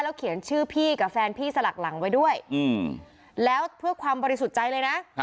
เขียนชื่อพี่กับแฟนพี่สลักหลังไว้ด้วยแล้วเพื่อความบริสุทธิ์ใจเลยนะ